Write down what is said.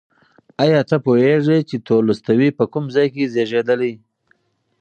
ایا ته پوهېږې چې تولستوی په کوم ځای کې زېږېدلی؟